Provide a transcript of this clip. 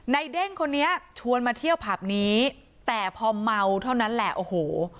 เด้งคนนี้ชวนมาเที่ยวผับนี้แต่พอเมาเท่านั้นแหละโอ้โห